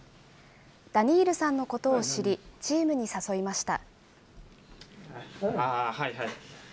ダニールさんのことを知り、チームに誘いました。